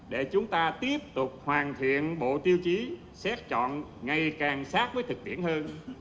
để chúng ta tiếp tục hoàn thiện bộ tiêu chí xét chọn ngày càng sát với thực tiễn hơn